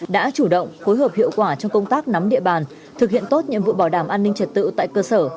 đã chủ động phối hợp hiệu quả trong công tác nắm địa bàn thực hiện tốt nhiệm vụ bảo đảm an ninh trật tự tại cơ sở